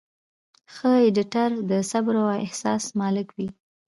ښه ایډیټر د صبر او احساس مالک وي.